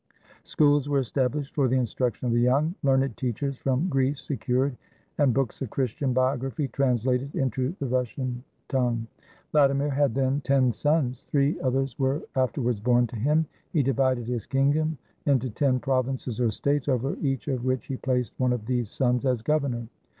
Schools were established for the instruction of the young, learned teachers from Greece secured, and books of Christian biography translated into the Russian tongue. Vladimir had then ten sons. Three others were after wards born to him. He divided his kingdom into ten provinces or states, over each of which he placed one of these sons as governor.